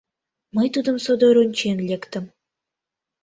Мый тудым содор ончен лектым.